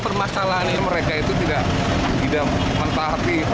permasalahan ini mereka itu tidak tidak